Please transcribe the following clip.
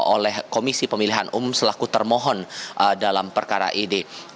oleh komisi pemilihan umum selaku termohon dalam perkara ini